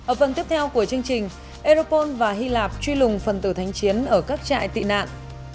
ở phần tiếp theo của chương trình aeropol và hy lạp truy lùng phần tử thánh chiến ở các trại tị nạn